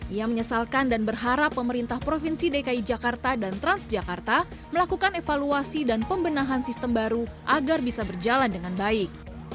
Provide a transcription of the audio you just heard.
ia menyesalkan dan berharap pemerintah provinsi dki jakarta dan transjakarta melakukan evaluasi dan pembenahan sistem baru agar bisa berjalan dengan baik